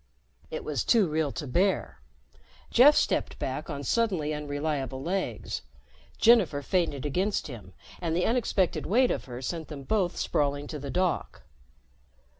It was too real to bear. Jeff stepped back on suddenly unreliable legs. Jennifer fainted against him and the unexpected weight of her sent them both sprawling to the dock.